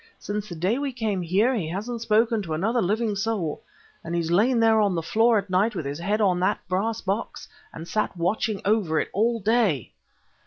Since the day we came here he hasn't spoken to another living soul, and he's lain there on the floor at night with his head on that brass box, and sat watching over it all day."